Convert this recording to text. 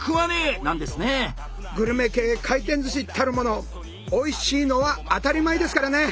グルメ系回転寿司たるものおいしいのは当たり前ですからね！